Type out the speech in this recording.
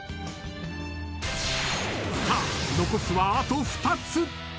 ［さあ残すはあと２つ］